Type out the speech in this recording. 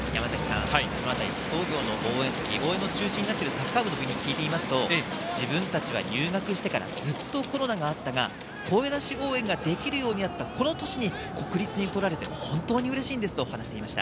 津工業の応援席、応援の中心になっているサッカー部に聞いていますと自分たちは入学してから、ずっとコロナがあったが声出し応援ができるようになったこの年に国立に来られて本当にうれしいんですと話していました。